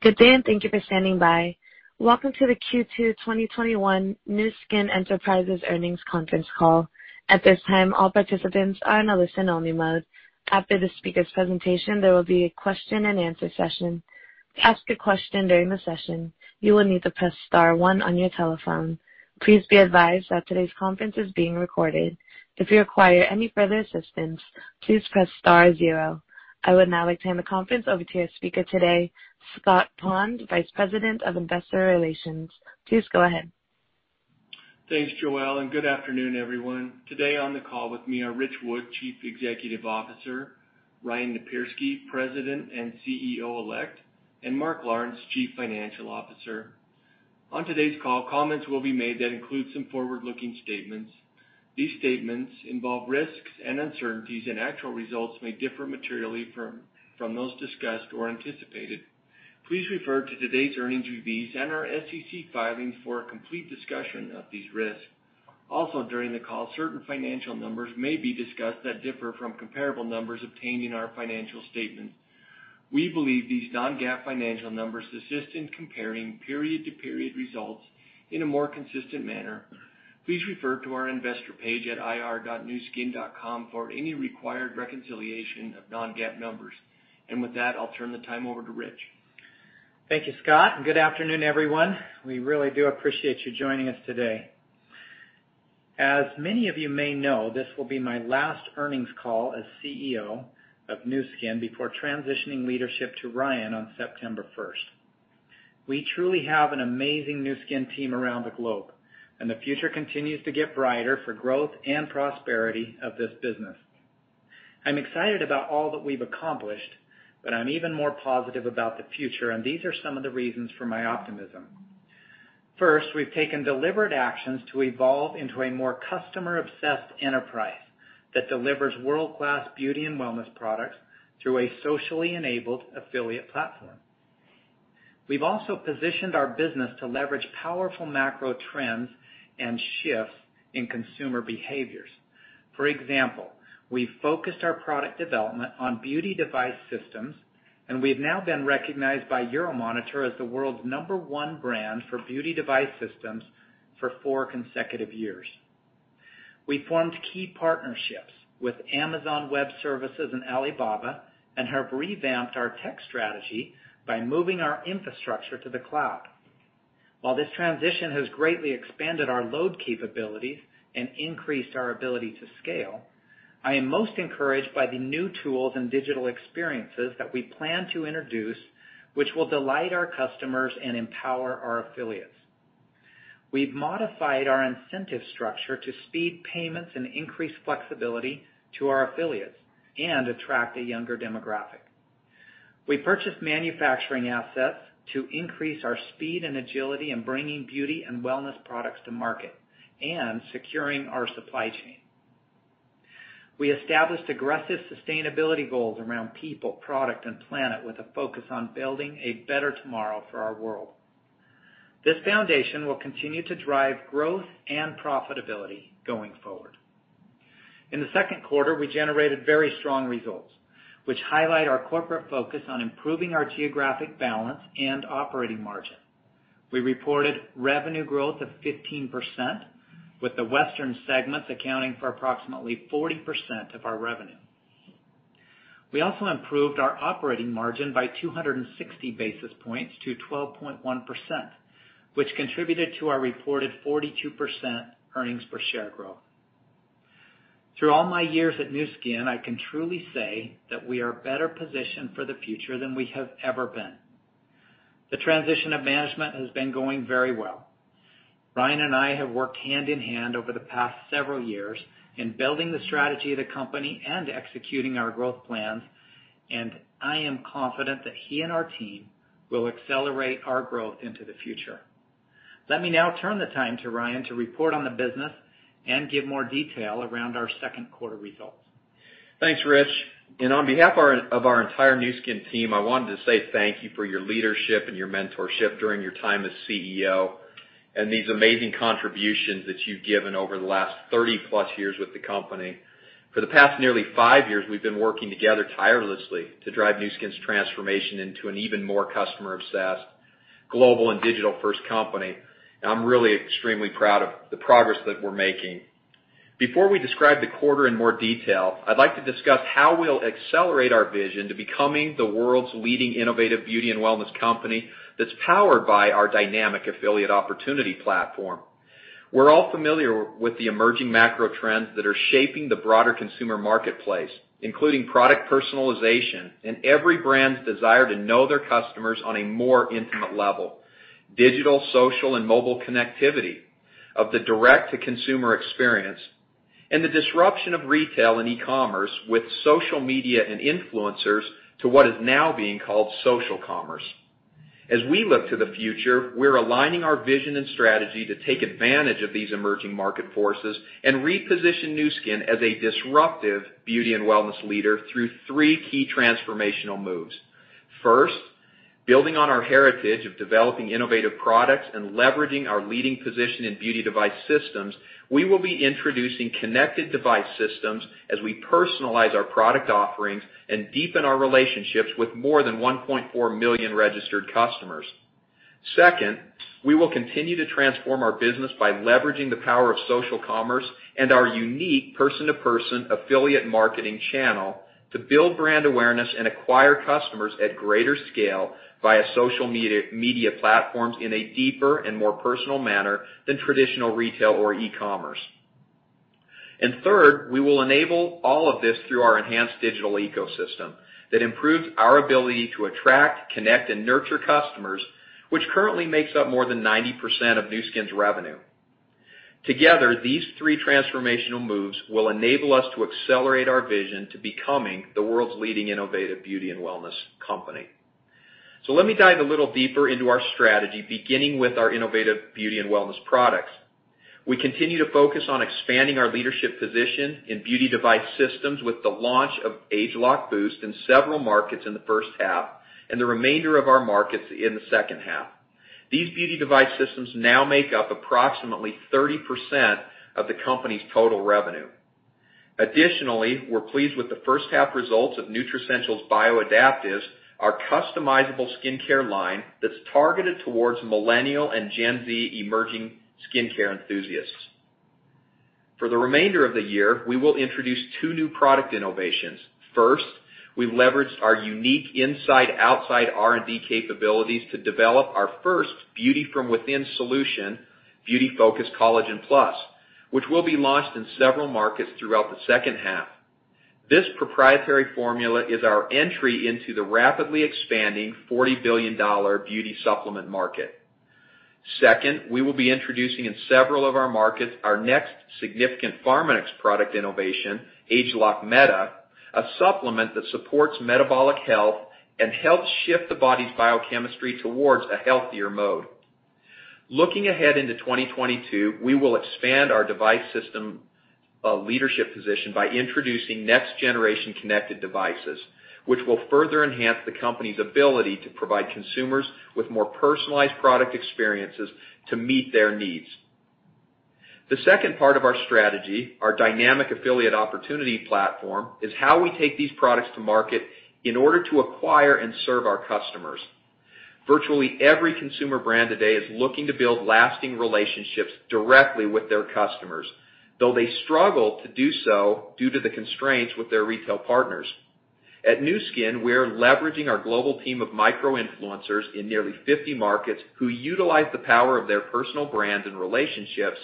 Good day, and thank you for standing by. Welcome to the Q2 2021 Nu Skin Enterprises Earnings Conference Call. At this time, all participants are in a listen-only mode. After the speaker's presentation, there will be a question-and-answer session. To ask a question during the session, you will need to press star one on your telephone. Please be advised that today's conference is being recorded. If you require any further assistance, please press star zero. I would now like to hand the conference over to your speaker today, Scott Pond, Vice President of Investor Relations. Please go ahead. Thanks, Joelle, and good afternoon, everyone. Today on the call with me are Ritch Wood, Chief Executive Officer, Ryan Napierski, President and CEO-elect, and Mark Lawrence, Chief Financial Officer. On today's call, comments will be made that include some forward-looking statements. These statements involve risks and uncertainties, and actual results may differ materially from those discussed or anticipated. Please refer to today's earnings release and our SEC filings for a complete discussion of these risks. Also, during the call, certain financial numbers may be discussed that differ from comparable numbers obtained in our financial statements. We believe these non-GAAP financial numbers assist in comparing period-to-period results in a more consistent manner. Please refer to our investor page at ir.nuskin.com for any required reconciliation of non-GAAP numbers. With that, I'll turn the time over to Ritch. Thank you, Scott, and good afternoon, everyone. We really do appreciate you joining us today. As many of you may know, this will be my last earnings call as CEO of Nu Skin before transitioning leadership to Ryan on September 1st. We truly have an amazing Nu Skin team around the globe, and the future continues to get brighter for growth and prosperity of this business. I'm excited about all that we've accomplished, but I'm even more positive about the future, and these are some of the reasons for my optimism. First, we've taken deliberate actions to evolve into a more customer-obsessed enterprise that delivers world-class beauty and wellness products through a socially enabled affiliate platform. We've also positioned our business to leverage powerful macro trends and shifts in consumer behaviors. For example, we've focused our product development on beauty device systems, and we've now been recognized by Euromonitor as the world's No. 1 brand for beauty device systems for four consecutive years. We formed key partnerships with Amazon Web Services and Alibaba and have revamped our tech strategy by moving our infrastructure to the cloud. While this transition has greatly expanded our load capabilities and increased our ability to scale, I am most encouraged by the new tools and digital experiences that we plan to introduce, which will delight our customers and empower our affiliates. We've modified our incentive structure to speed payments and increase flexibility to our affiliates and attract a younger demographic. We purchased manufacturing assets to increase our speed and agility in bringing beauty and wellness products to market and securing our supply chain. We established aggressive sustainability goals around people, product, and planet with a focus on building a better tomorrow for our world. This foundation will continue to drive growth and profitability going forward. In the second quarter, we generated very strong results, which highlight our corporate focus on improving our geographic balance and operating margin. We reported revenue growth of 15%, with the Western segments accounting for approximately 40% of our revenue. We also improved our operating margin by 260 basis points to 12.1%, which contributed to our reported 42% earnings per share growth. Through all my years at Nu Skin, I can truly say that we are better positioned for the future than we have ever been. The transition of management has been going very well. Ryan and I have worked hand-in-hand over the past several years in building the strategy of the company and executing our growth plans, and I am confident that he and our team will accelerate our growth into the future. Let me now turn the time to Ryan to report on the business and give more detail around our second quarter results. Thanks, Ritch. On behalf of our entire Nu Skin team, I wanted to say thank you for your leadership and your mentorship during your time as CEO and these amazing contributions that you've given over the last 30+ years with the company. For the past nearly five years, we've been working together tirelessly to drive Nu Skin's transformation into an even more customer-obsessed global and digital-first company. I'm really extremely proud of the progress that we're making. Before we describe the quarter in more detail, I'd like to discuss how we'll accelerate our vision to becoming the world's leading innovative beauty and wellness company that's powered by our dynamic affiliate opportunity platform. We're all familiar with the emerging macro trends that are shaping the broader consumer marketplace, including product personalization and every brand's desire to know their customers on a more intimate level. Digital, social, and mobile connectivity of the direct-to-consumer experience, and the disruption of retail and e-commerce with social media and influencers to what is now being called social commerce. As we look to the future, we're aligning our vision and strategy to take advantage of these emerging market forces and reposition Nu Skin as a disruptive beauty and wellness leader through three key transformational moves. First, building on our heritage of developing innovative products and leveraging our leading position in beauty device systems, we will be introducing connected device systems as we personalize our product offerings and deepen our relationships with more than 1.4 million registered customers. Second, we will continue to transform our business by leveraging the power of social commerce and our unique person-to-person affiliate marketing channel to build brand awareness and acquire customers at greater scale via social media platforms in a deeper and more personal manner than traditional retail or e-commerce. Third, we will enable all of this through our enhanced digital ecosystem that improves our ability to attract, connect, and nurture customers, which currently makes up more than 90% of Nu Skin's revenue. Together, these three transformational moves will enable us to accelerate our vision to becoming the world's leading innovative beauty and wellness company. Let me dive a little deeper into our strategy, beginning with our innovative beauty and wellness products. We continue to focus on expanding our leadership position in beauty device systems with the launch of ageLOC Boost in several markets in the first half and the remainder of our markets in the second half. These beauty device systems now make up approximately 30% of the company's total revenue. Additionally, we're pleased with the first half results of Nutricentials Bioadaptives, our customizable skincare line that's targeted towards Millennial and Gen Z emerging skincare enthusiasts. For the remainder of the year, we will introduce two new product innovations. First, we leveraged our unique inside/outside R&D capabilities to develop our first beauty from within solution, Beauty Focus Collagen+, which will be launched in several markets throughout the second half. This proprietary formula is our entry into the rapidly expanding $40 billion beauty supplement market. Second, we will be introducing in several of our markets our next significant Pharmanex product innovation, ageLOC Meta, a supplement that supports metabolic health and helps shift the body's biochemistry towards a healthier mode. Looking ahead into 2022, we will expand our device system leadership position by introducing next-generation connected devices, which will further enhance the company's ability to provide consumers with more personalized product experiences to meet their needs. The second part of our strategy, our dynamic affiliate opportunity platform, is how we take these products to market in order to acquire and serve our customers. Virtually every consumer brand today is looking to build lasting relationships directly with their customers, though they struggle to do so due to the constraints with their retail partners. At Nu Skin, we are leveraging our global team of micro-influencers in nearly 50 markets who utilize the power of their personal brands and relationships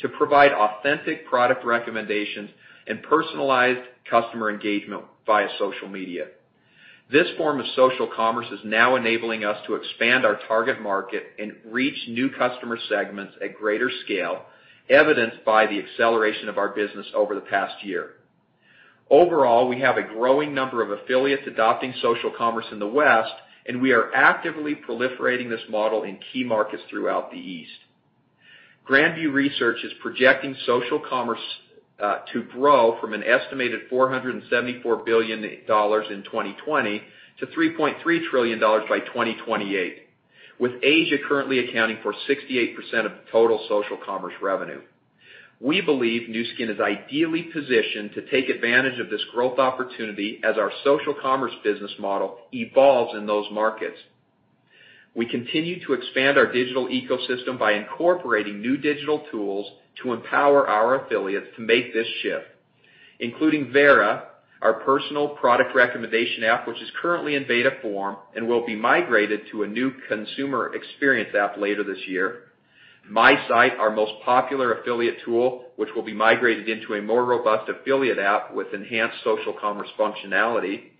to provide authentic product recommendations and personalized customer engagement via social media. This form of social commerce is now enabling us to expand our target market and reach new customer segments at greater scale, evidenced by the acceleration of our business over the past year. Overall, we have a growing number of affiliates adopting social commerce in the West, and we are actively proliferating this model in key markets throughout the East. Grand View Research is projecting social commerce to grow from an estimated $474 billion in 2020 to $3.3 trillion by 2028, with Asia currently accounting for 68% of total social commerce revenue. We believe Nu Skin is ideally positioned to take advantage of this growth opportunity as our social commerce business model evolves in those markets. We continue to expand our digital ecosystem by incorporating new digital tools to empower our affiliates to make this shift, including Vera, our personal product recommendation app, which is currently in beta form and will be migrated to a new consumer experience app later this year, My Site, our most popular affiliate tool, which will be migrated into a more robust affiliate app with enhanced social commerce functionality, and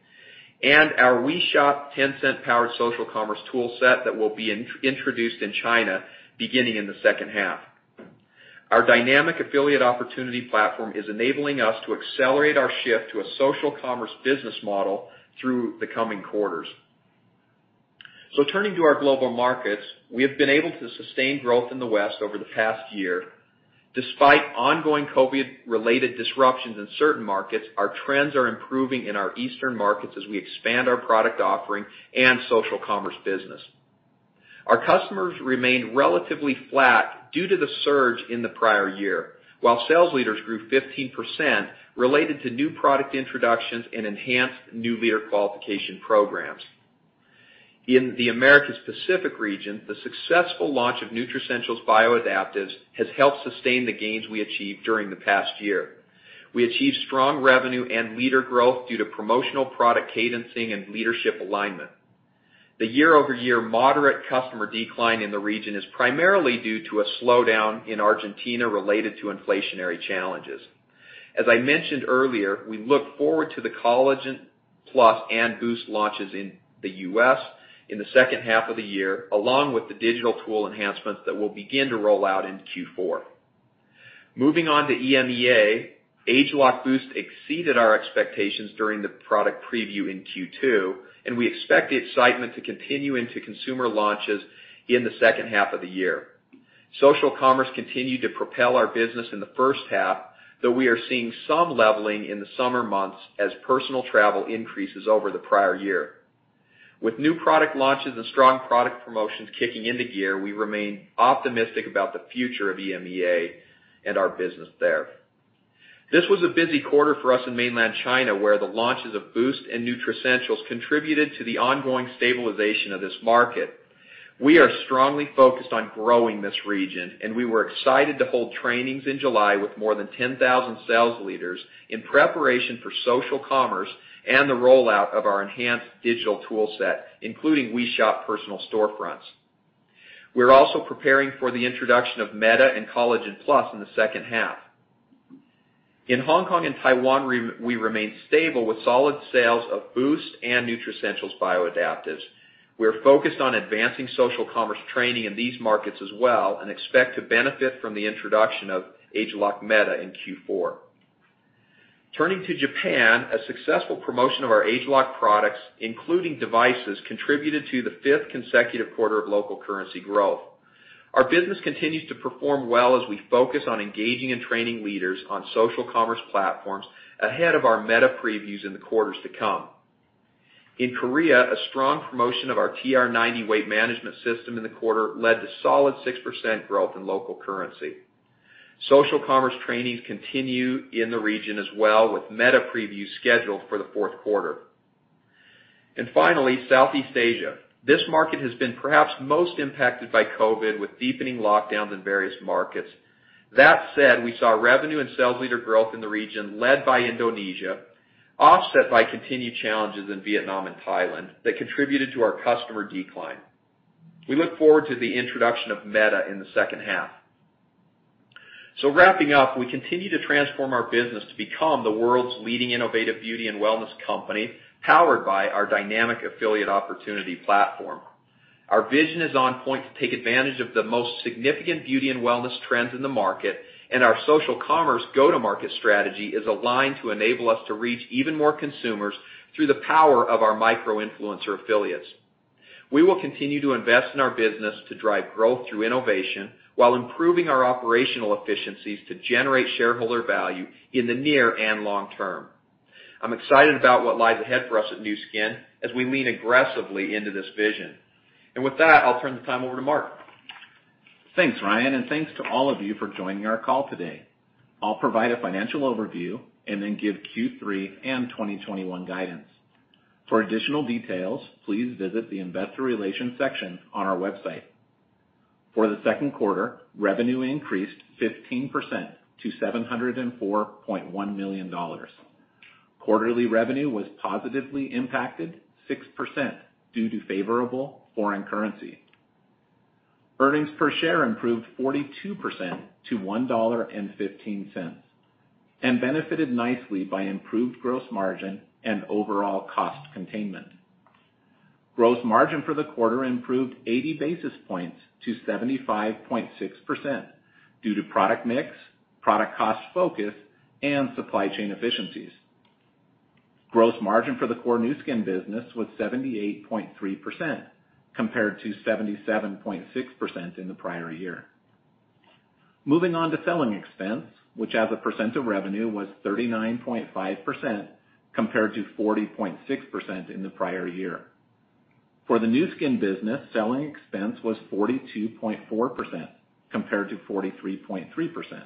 our WeShop Tencent-powered social commerce toolset that will be introduced in China beginning in the second half. Our dynamic affiliate opportunity platform is enabling us to accelerate our shift to a social commerce business model through the coming quarters. Turning to our global markets, we have been able to sustain growth in the West over the past year. Despite ongoing COVID-related disruptions in certain markets, our trends are improving in our eastern markets as we expand our product offering and social commerce business. Our customers remain relatively flat due to the surge in the prior year, while sales leaders grew 15% related to new product introductions and enhanced new leader qualification programs. In the Americas Pacific region, the successful launch of Nutricentials Bioadaptives has helped sustain the gains we achieved during the past year. We achieved strong revenue and leader growth due to promotional product cadencing and leadership alignment. The year-over-year moderate customer decline in the region is primarily due to a slowdown in Argentina related to inflationary challenges. As I mentioned earlier, we look forward to the Collagen+ and Boost launches in the U.S. in the second half of the year, along with the digital tool enhancements that will begin to roll out in Q4. Moving on to EMEA, ageLOC Boost exceeded our expectations during the product preview in Q2, and we expect the excitement to continue into consumer launches in the second half of the year. Social commerce continued to propel our business in the first half, though we are seeing some leveling in the summer months as personal travel increases over the prior year. With new product launches and strong product promotions kicking into gear, we remain optimistic about the future of EMEA and our business there. This was a busy quarter for us in mainland China, where the launches of Boost and Nutricentials contributed to the ongoing stabilization of this market. We are strongly focused on growing this region, and we were excited to hold trainings in July with more than 10,000 sales leaders in preparation for social commerce and the rollout of our enhanced digital toolset, including WeShop personal storefronts. We're also preparing for the introduction of ageLOC Meta and Collagen+ in the second half. In Hong Kong and Taiwan, we remain stable with solid sales of ageLOC Boost and Nutricentials Bioadaptives. We are focused on advancing social commerce training in these markets as well, and expect to benefit from the introduction of ageLOC Meta in Q4. Turning to Japan, a successful promotion of our ageLOC products, including devices, contributed to the fifth consecutive quarter of local currency growth. Our business continues to perform well as we focus on engaging and training leaders on social commerce platforms ahead of our ageLOC Meta previews in the quarters to come. In Korea, a strong promotion of our TR90 weight management system in the quarter led to solid 6% growth in local currency. Social commerce trainings continue in the region as well, with ageLOC Meta previews scheduled for the fourth quarter. Finally, Southeast Asia. This market has been perhaps most impacted by COVID, with deepening lockdowns in various markets. That said, we saw revenue and sales leader growth in the region led by Indonesia, offset by continued challenges in Vietnam and Thailand that contributed to our customer decline. We look forward to the introduction of ageLOC Meta in the second half. Wrapping up, we continue to transform our business to become the world's leading innovative beauty and wellness company, powered by our dynamic affiliate opportunity platform. Our vision is on point to take advantage of the most significant beauty and wellness trends in the market, and our social commerce go-to-market strategy is aligned to enable us to reach even more consumers through the power of our micro-influencer affiliates. We will continue to invest in our business to drive growth through innovation while improving our operational efficiencies to generate shareholder value in the near and long term. I'm excited about what lies ahead for us at Nu Skin as we lean aggressively into this vision. With that, I'll turn the time over to Mark. Thanks, Ryan, and thanks to all of you for joining our call today. I'll provide a financial overview and then give Q3 and 2021 guidance. For additional details, please visit the investor relations section on our website. For the second quarter, revenue increased 15% to $704.1 million. Quarterly revenue was positively impacted 6% due to favorable foreign currency. Earnings per share improved 42% to $1.15 and benefited nicely by improved gross margin and overall cost containment. Gross margin for the quarter improved 80 basis points to 75.6% due to product mix, product cost focus, and supply chain efficiencies. Gross margin for the core Nu Skin business was 78.3%, compared to 77.6% in the prior year. Moving on to selling expense, which as a percent of revenue was 39.5%, compared to 40.6% in the prior year. For the Nu Skin business, selling expense was 42.4%, compared to 43.3%.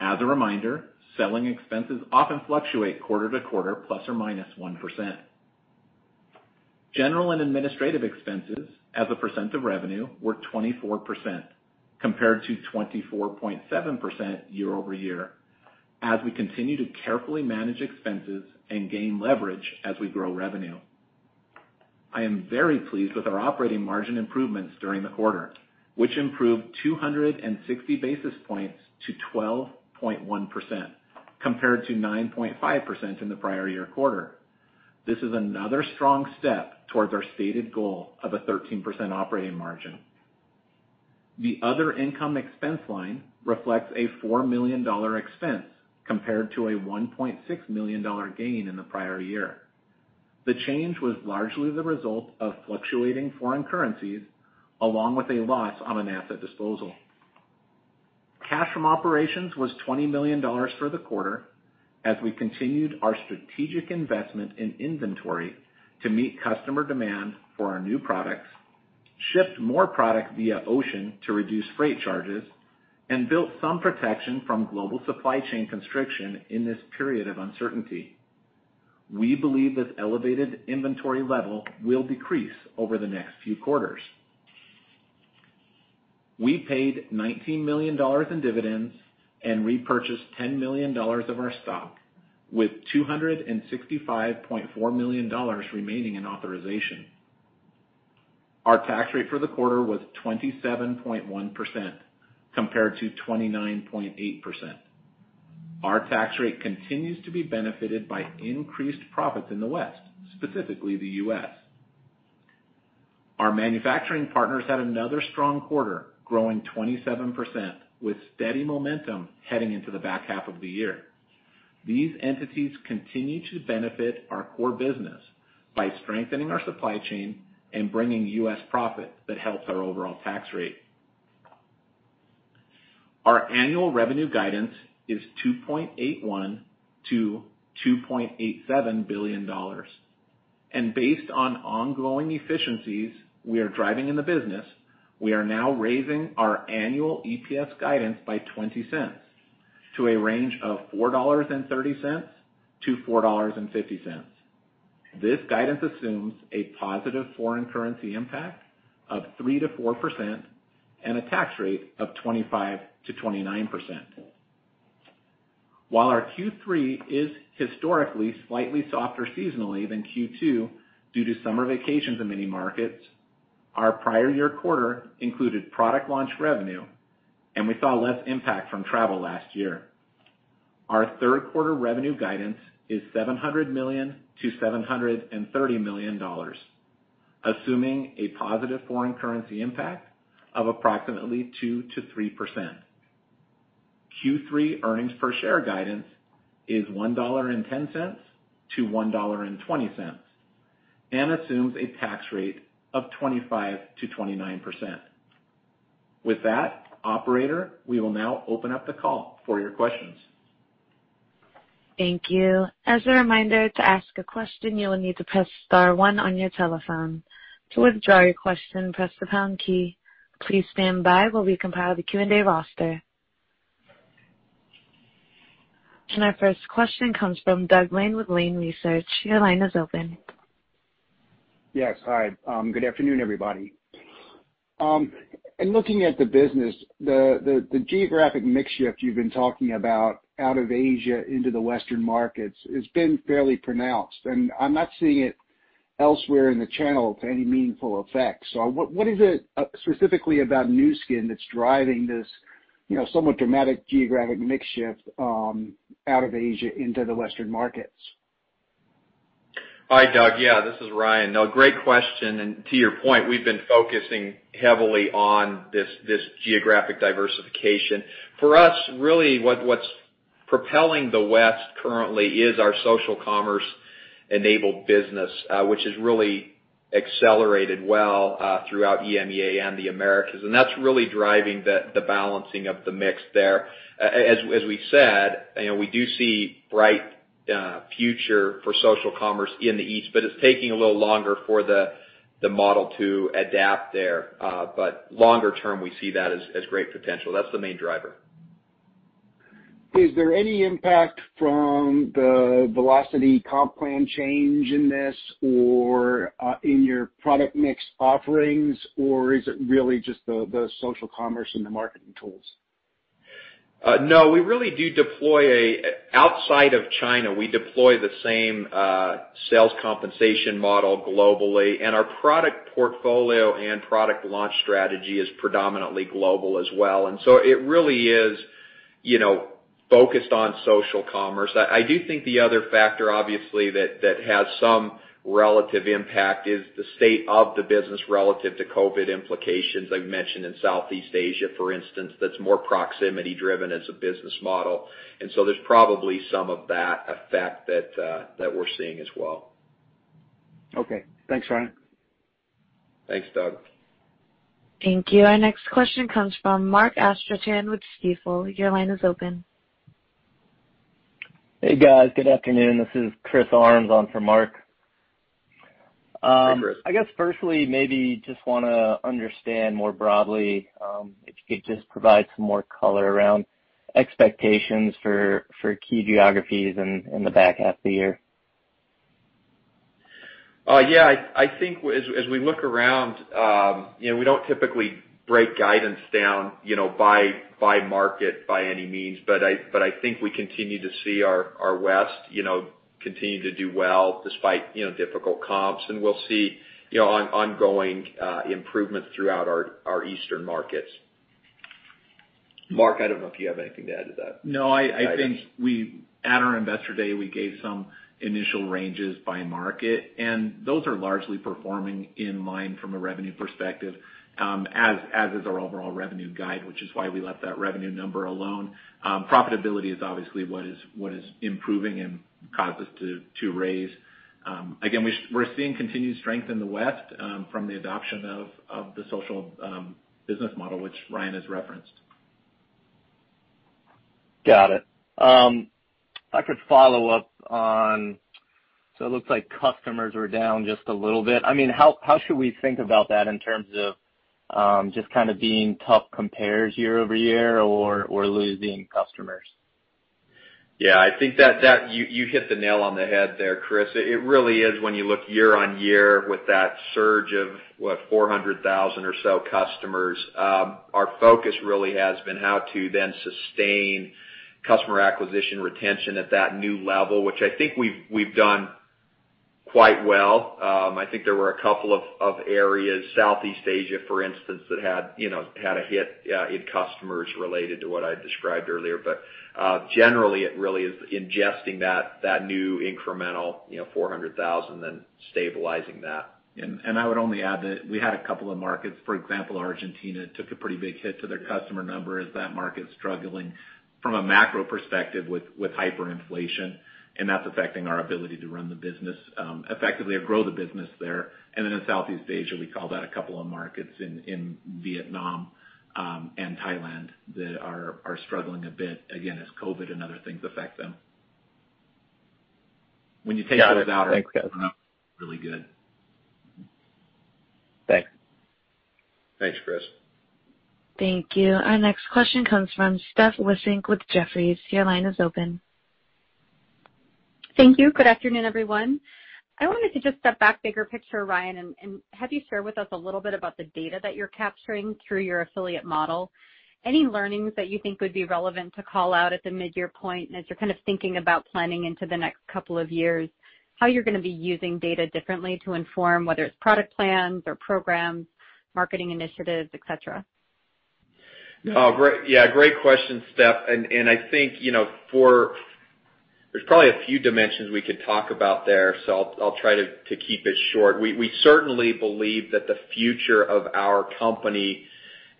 As a reminder, selling expenses often fluctuate quarter to quarter plus or minus 1%. General and administrative expenses as a percent of revenue were 24%, compared to 24.7% year-over-year, as we continue to carefully manage expenses and gain leverage as we grow revenue. I am very pleased with our operating margin improvements during the quarter, which improved 260 basis points to 12.1%, compared to 9.5% in the prior year quarter. This is another strong step towards our stated goal of a 13% operating margin. The other income expense line reflects a $4 million expense compared to a $1.6 million gain in the prior year. The change was largely the result of fluctuating foreign currencies along with a loss on an asset disposal. Cash from operations was $20 million for the quarter, as we continued our strategic investment in inventory to meet customer demand for our new products, shipped more product via ocean to reduce freight charges, and built some protection from global supply chain constriction in this period of uncertainty. We believe this elevated inventory level will decrease over the next few quarters. We paid $19 million in dividends and repurchased $10 million of our stock, with $265.4 million remaining in authorization. Our tax rate for the quarter was 27.1% compared to 29.8%. Our tax rate continues to be benefited by increased profits in the West, specifically the U.S. Our manufacturing partners had another strong quarter, growing 27% with steady momentum heading into the back half of the year. These entities continue to benefit our core business by strengthening our supply chain and bringing U.S. profit that helps our overall tax rate. Our annual revenue guidance is $2.81 billion-$2.87 billion. Based on ongoing efficiencies we are driving in the business, we are now raising our annual EPS guidance by $0.20 to a range of $4.30-$4.50. This guidance assumes a positive foreign currency impact of 3%-4% and a tax rate of 25%-29%. While our Q3 is historically slightly softer seasonally than Q2 due to summer vacations in many markets, our prior year quarter included product launch revenue, and we saw less impact from travel last year. Our third quarter revenue guidance is $700 million-$730 million, assuming a positive foreign currency impact of approximately 2%-3%. Q3 earnings per share guidance is $1.10-$1.20 and assumes a tax rate of 25%-29%. With that, operator, we will now open up the call for your questions. Thank you. As a reminder, to ask a question, you will need to press star one on your telephone. To withdraw your question, press the pound key. Please stand by while we compile the Q&A roster. Our first question comes from Doug Lane with Lane Research. Your line is open. Yes. Hi. Good afternoon, everybody. In looking at the business, the geographic mix shift you've been talking about out of Asia into the Western markets has been fairly pronounced, and I'm not seeing it elsewhere in the channel to any meaningful effect. What is it specifically about Nu Skin that's driving this somewhat dramatic geographic mix shift out of Asia into the Western markets? Hi, Doug. Yeah, this is Ryan. No, great question, and to your point, we've been focusing heavily on this geographic diversification. For us, really what's propelling the West currently is our social commerce-enabled business, which has really accelerated well, throughout EMEA and the Americas. That's really driving the balancing of the mix there. As we said, we do see bright future for social commerce in the East, but it's taking a little longer for the model to adapt there. Longer term, we see that as great potential. That's the main driver. Is there any impact from the velocity comp plan change in this or in your product mix offerings, or is it really just the social commerce and the marketing tools? No. Outside of China, we deploy the same sales compensation model globally, and our product portfolio and product launch strategy is predominantly global as well. It really is focused on social commerce. I do think the other factor, obviously, that has some relative impact is the state of the business relative to COVID implications. I've mentioned in Southeast Asia, for instance, that's more proximity driven as a business model, and so there's probably some of that effect that we're seeing as well. Okay. Thanks, Ryan. Thanks, Doug. Thank you. Our next question comes from Mark Astrachan with Stifel. Your line is open. Hey, guys. Good afternoon. This is Chris Ahrens on for Mark. Hey, Chris. I guess firstly, maybe I just want to understand more broadly, if you could just provide some more color around expectations for key geographies in the back half of the year? Yeah. I think as we look around, we don't typically break guidance down by market by any means. I think we continue to see our West continue to do well despite difficult comps, and we'll see ongoing improvements throughout our Eastern markets. Mark, I don't know if you have anything to add to that. No, I think at our Investor Day, we gave some initial ranges by market, and those are largely performing in line from a revenue perspective, as is our overall revenue guide, which is why we left that revenue number alone. Profitability is obviously what is improving and caused us to raise. Again, we're seeing continued strength in the West from the adoption of the social business model, which Ryan has referenced. Got it. It looks like customers were down just a little bit. How should we think about that in terms of just kind of being tough comps year-over-year or losing customers? Yeah, I think that you hit the nail on the head there, Chris. It really is when you look year-over-year with that surge of, what, 400,000 or so customers. Our focus really has been how to then sustain customer acquisition retention at that new level, which I think we've done quite well. I think there were a couple of areas, Southeast Asia, for instance, that had a hit in customers related to what I described earlier. But generally, it really is ingesting that new incremental 400,000, then stabilizing that. I would only add that we had a couple of markets, for example, Argentina took a pretty big hit to their customer numbers. That market's struggling from a macro perspective with hyperinflation, and that's affecting our ability to run the business effectively or grow the business there. In Southeast Asia, we called out a couple of markets in Vietnam, and Thailand that are struggling a bit, again, as COVID and other things affect them. When you take those out, they're really good. Thanks. Thanks, Chris. Thank you. Our next question comes from Steph Wissink with Jefferies. Your line is open. Thank you. Good afternoon, everyone. I wanted to just step back bigger picture, Ryan, and have you share with us a little bit about the data that you're capturing through your affiliate model. Any learnings that you think would be relevant to call out at the mid-year point? As you're kind of thinking about planning into the next couple of years, how you're going to be using data differently to inform, whether it's product plans or programs, marketing initiatives, et cetera. Yeah, great question, Steph. I think there's probably a few dimensions we could talk about there, so I'll try to keep it short. We certainly believe that the future of our company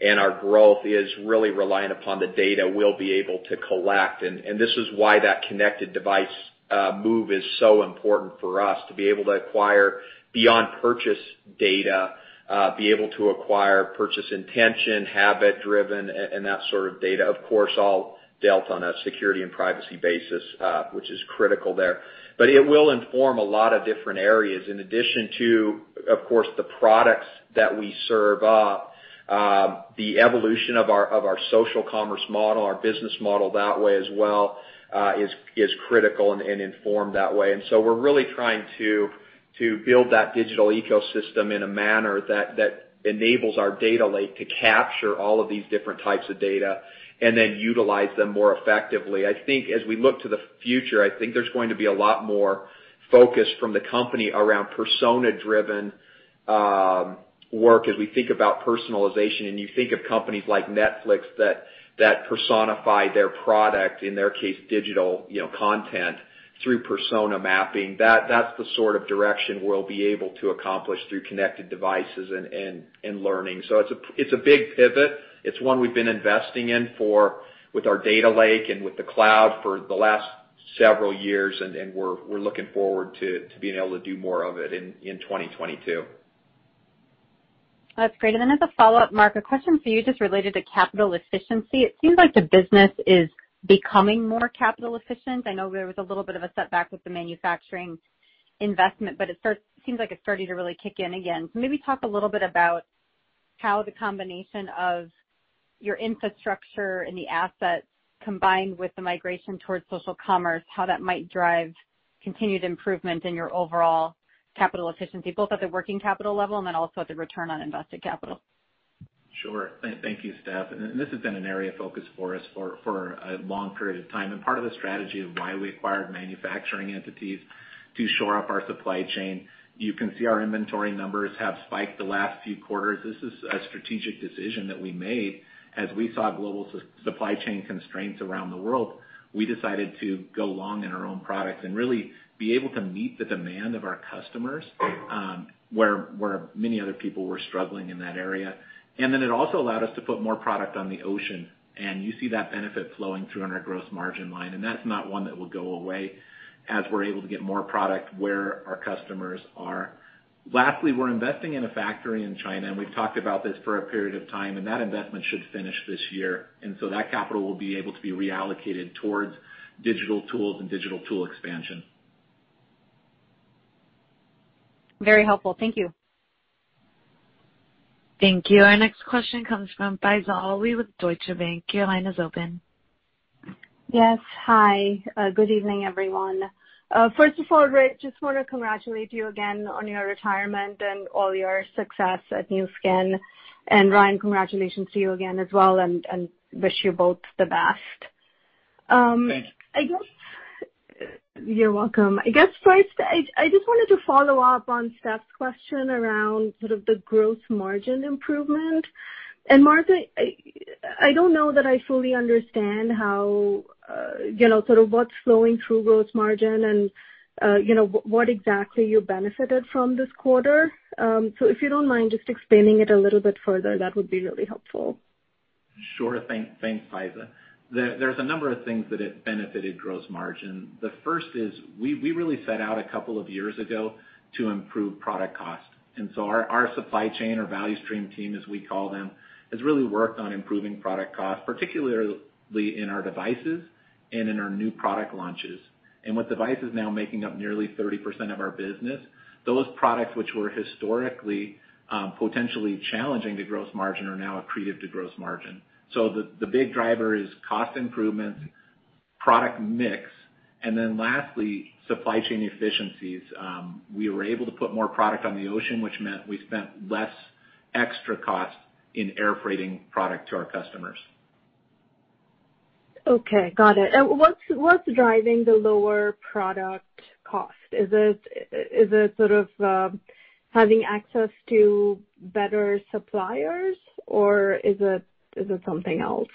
and our growth is really reliant upon the data we'll be able to collect, and this is why that connected device move is so important for us to be able to acquire beyond purchase data, be able to acquire purchase intention, habit driven, and that sort of data. Of course, all dealt on a security and privacy basis, which is critical there. It will inform a lot of different areas. In addition to, of course, the products that we serve up, the evolution of our social commerce model, our business model that way as well, is critical and informed that way. We're really trying to build that digital ecosystem in a manner that enables our data lake to capture all of these different types of data and then utilize them more effectively. I think as we look to the future, I think there's going to be a lot more focus from the company around persona-driven work as we think about personalization. You think of companies like Netflix that personify their product, in their case, digital content, through persona mapping. That's the sort of direction we'll be able to accomplish through connected devices and learning. It's a big pivot. It's one we've been investing in with our data lake and with the cloud for the last several years, and we're looking forward to being able to do more of it in 2022. That's great. As a follow-up, Mark, a question for you just related to capital efficiency. It seems like the business is becoming more capital efficient. I know there was a little bit of a setback with the manufacturing investment, but it seems like it's starting to really kick in again. Maybe talk a little bit about how the combination of your infrastructure and the assets, combined with the migration towards social commerce, how that might drive continued improvement in your overall capital efficiency, both at the working capital level and then also at the return on invested capital. Sure. Thank you, Steph. This has been an area of focus for us for a long period of time and part of the strategy of why we acquired manufacturing entities to shore up our supply chain. You can see our inventory numbers have spiked the last few quarters. This is a strategic decision that we made as we saw global supply chain constraints around the world. We decided to go long in our own products and really be able to meet the demand of our customers, where many other people were struggling in that area. It also allowed us to put more product on the ocean, and you see that benefit flowing through on our gross margin line, and that's not one that will go away as we're able to get more product where our customers are. Lastly, we're investing in a factory in China, and we've talked about this for a period of time, and that investment should finish this year. That capital will be able to be reallocated towards digital tools and digital tool expansion. Very helpful. Thank you. Thank you. Our next question comes from Faiza Alwy with Deutsche Bank. Your line is open. Yes. Hi. Good evening, everyone. First of all, Rich, just want to congratulate you again on your retirement and all your success at Nu Skin. Ryan, congratulations to you again as well, and wish you both the best. Thank you. You're welcome. I guess, first, I just wanted to follow up on Steph's question around sort of the gross margin improvement. Mark, I don't know that I fully understand how, sort of what's flowing through gross margin and what exactly you benefited from this quarter. If you don't mind just expanding it a little bit further, that would be really helpful. Sure. Thanks, Faiza. There's a number of things that have benefited gross margin. The first is we really set out a couple of years ago to improve product cost. Our supply chain or value stream team, as we call them, has really worked on improving product cost, particularly in our devices and in our new product launches. With devices now making up nearly 30% of our business, those products which were historically potentially challenging to gross margin are now accretive to gross margin. The big driver is cost improvements, product mix, and then lastly, supply chain efficiencies. We were able to put more product on the ocean, which meant we spent less extra cost in air freighting product to our customers. Okay, got it. What's driving the lower product cost? Is it sort of having access to better suppliers or is it something else?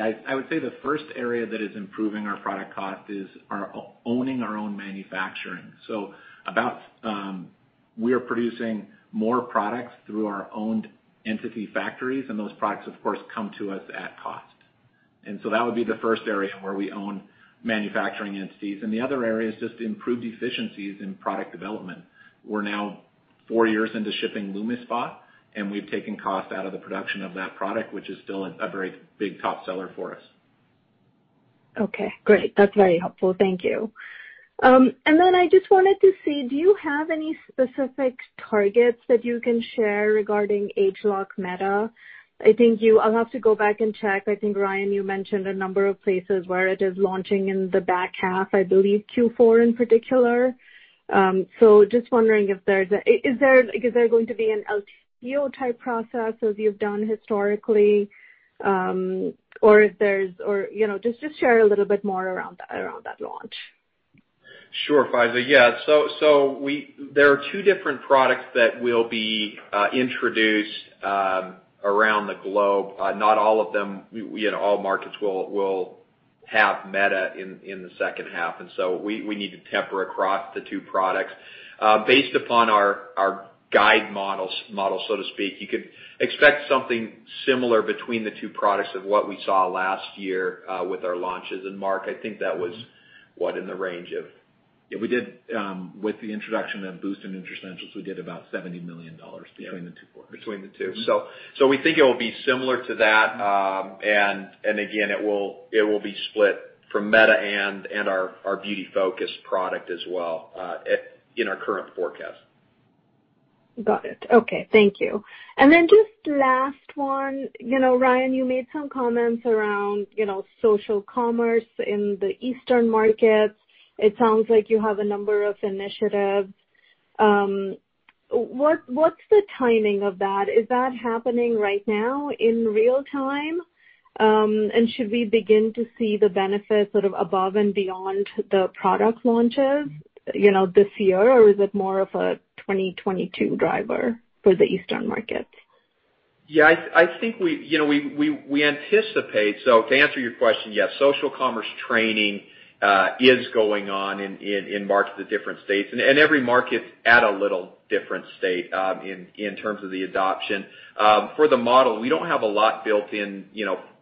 I would say the first area that is improving our product cost is owning our own manufacturing. We are producing more products through our owned entity factories, and those products, of course, come to us at cost. That would be the first area where we own manufacturing entities. The other area is just improved efficiencies in product development. We're now four years into shipping LumiSpa, and we've taken cost out of the production of that product, which is still a very big top seller for us. Okay, great. That's very helpful. Thank you. I just wanted to see, do you have any specific targets that you can share regarding ageLOC Meta? I'll have to go back and check. I think, Ryan, you mentioned a number of places where it is launching in the back half, I believe Q4 in particular. Just wondering, is there going to be an LTO type process as you've done historically? Or just share a little bit more around that launch. Sure, Faiza. Yeah. There are two different products that will be introduced around the globe. Not all of them, all markets will have Meta in the second half. We need to temper across the two products. Based upon our guide model, so to speak, you could expect something similar between the two products of what we saw last year with our launches. Mark, I think that was what in the range of, with the introduction of Boost and Nutricentials, we did about $70 million between the two quarters between the two. We think it will be similar to that. Again, it will be split from Meta and our beauty-focused product as well in our current forecast. Got it. Okay. Thank you. Just last one. Ryan, you made some comments around social commerce in the eastern markets. It sounds like you have a number of initiatives. What's the timing of that? Is that happening right now in real time? Should we begin to see the benefits above and beyond the product launches this year? Is it more of a 2022 driver for the eastern markets? Yeah, to answer your question, yes, social commerce training is going on in markets at different stages. Every market's at a little different stage in terms of the adoption. For the model, we don't have a lot built in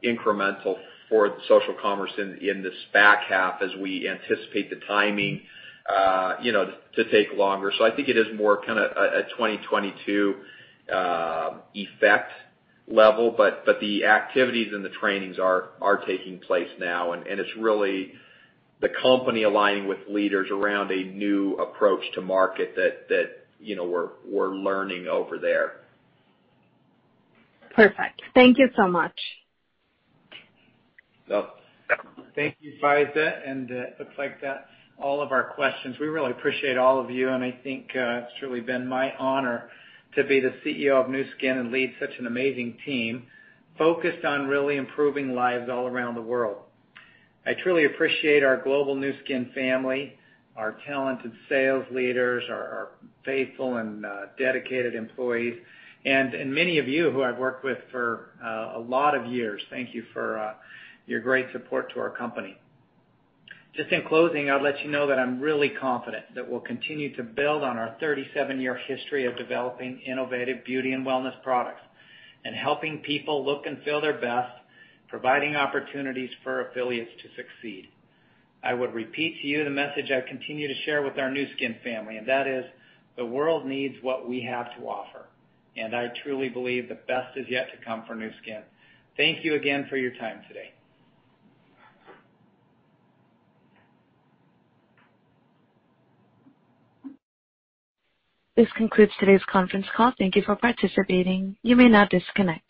incremental for social commerce in this back half as we anticipate the timing to take longer. I think it is more kind of a 2022 effect level, but the activities and the trainings are taking place now, and it's really the company aligning with leaders around a new approach to market that we're learning over there. Perfect. Thank you so much. Thank you, Faiza, and looks like that's all of our questions. We really appreciate all of you, and I think it's truly been my honor to be the CEO of Nu Skin and lead such an amazing team focused on really improving lives all around the world. I truly appreciate our global Nu Skin family, our talented sales leaders, our faithful and dedicated employees, and many of you who I've worked with for a lot of years. Thank you for your great support to our company. Just in closing, I'll let you know that I'm really confident that we'll continue to build on our 37-year history of developing innovative beauty and wellness products and helping people look and feel their best, providing opportunities for affiliates to succeed. I would repeat to you the message I continue to share with our Nu Skin family, and that is the world needs what we have to offer, and I truly believe the best is yet to come for Nu Skin. Thank you again for your time today. This concludes today's conference call. Thank you for participating. You may now disconnect.